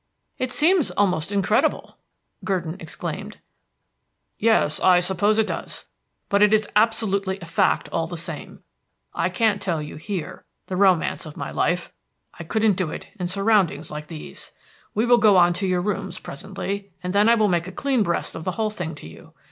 "It seems almost incredible," Gurdon exclaimed. "Yes, I suppose it does. But it is absolutely a fact all the same. I can't tell you here the romance of my life. I couldn't do it in surroundings like these. We will go on to your rooms presently, and then I will make a clean breast of the whole thing to you.